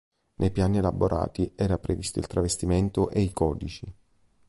Nei piani elaborati era previsto il travestimento e i codici.